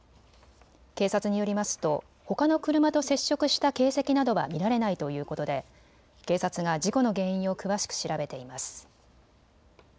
警察によりますとほかの車と接触した形跡などは見られないということで警察が事故の原因を詳しく調べています。